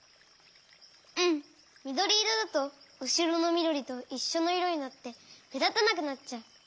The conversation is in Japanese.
うんみどりいろだとうしろのみどりといっしょのいろになってめだたなくなっちゃう。